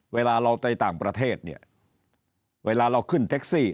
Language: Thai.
เวลาเราไปต่างประเทศเนี่ยเวลาเราขึ้นแท็กซี่